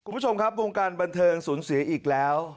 คุณผู้ชมครับวงการบันเทิงสูญเสียอีกแล้ว